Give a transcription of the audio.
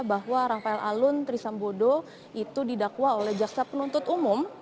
bahwa rafael alun trisambodo itu didakwa oleh jaksa penuntut umum